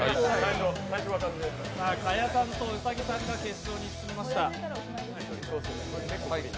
賀屋さんと兎さんが決勝に進みました。